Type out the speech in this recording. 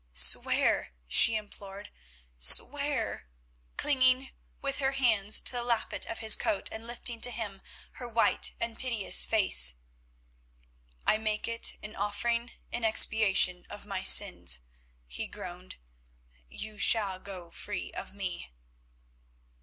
"Swear," she implored, "swear," clinging with her hands to the lappet of his coat and lifting to him her white and piteous face. "I make it an offering in expiation of my sins," he groaned, "you shall go free of me."